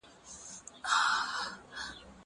بازار ته ولاړ سه!؟